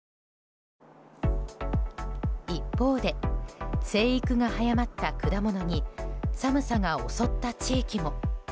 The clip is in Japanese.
一方で、生育が早まった果物に寒さが襲った地域も。